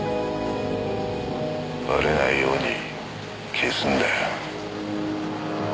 バレないように消すんだよ。